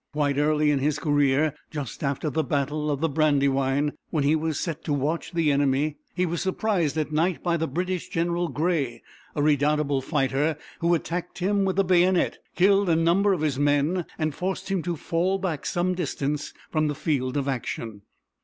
Quite early in his career, just after the battle of the Brandywine, when he was set to watch the enemy, he was surprised at night by the British general Grey, a redoubtable fighter, who attacked him with the bayonet, killed a number of his men, and forced him to fall back some distance from the field of action.